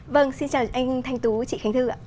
vâng xin chào anh thanh tú chị khánh thư ạ